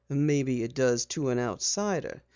"Maybe it does to an outsider.